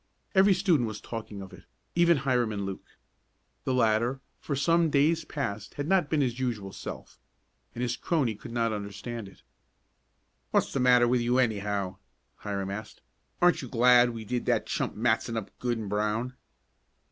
Every student was talking of it, even Hiram and Luke. The latter, for some days past had not been his usual self, and his crony could not understand it. "What's the matter with you, anyhow?" Hiram asked. "Aren't you glad we did that chump Matson up good and brown?"